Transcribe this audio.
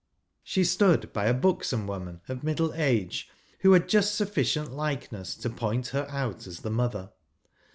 She stood by a buxom woman of j middle age, who had just sufficient likeness to point her out as the mother.